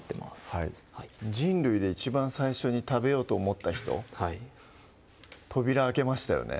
はい人類で一番最初に食べようと思った人扉開けましたよね